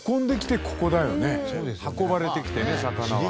運ばれてきてね魚は。